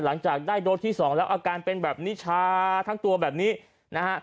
หลังจากได้โดสที่สองแล้วอาการเป็นแบบนี้ชาทั้งตัวแบบนี้นะฮะ